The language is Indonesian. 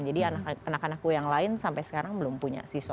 jadi anak anakku yang lain sampai sekarang belum punya siswa